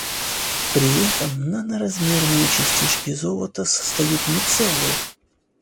при этом наноразмерные частички золота создают мицеллу.